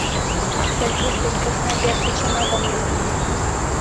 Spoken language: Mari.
Сергуш деч посна вер гычемат ом тарване!